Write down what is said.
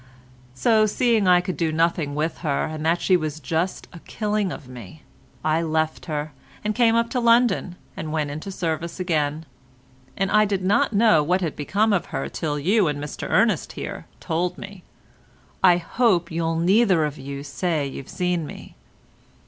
So seeing I could do nothing with her and that she was just a killing of me, I left her, and came up to London, and went into service again, and I did not know what had become of her till you and Mr Ernest here told me. I hope you'll neither of you say you've seen me."